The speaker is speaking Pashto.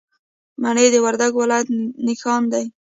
مڼې د وردګو ولایت نښان دی.